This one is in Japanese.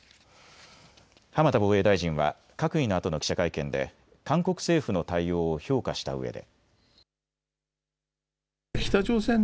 浜田防衛大臣は閣議のあとの記者記者会見で韓国政府の対応を評価したうえで。